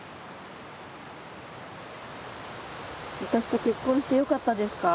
私と結婚してよかったですか？